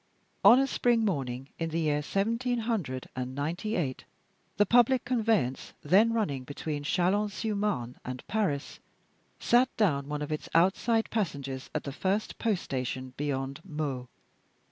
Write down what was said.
On a spring morning, in the year seventeen hundred and ninety eight, the public conveyance then running between Chalons sur Marne and Paris sat down one of its outside passengers at the first post station beyond Meaux.